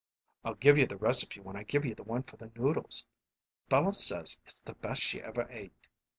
"I'll give you the recipe when I give you the one for the noodles. Bella says it's the best she ever ate.